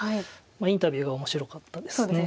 インタビューが面白かったですね。